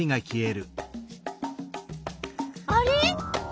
あれ？